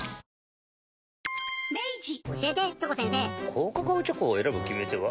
高カカオチョコを選ぶ決め手は？